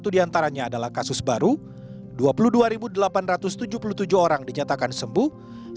satu diantaranya adalah kasus baru dua puluh dua delapan ratus tujuh puluh tujuh orang dinyatakan sembuh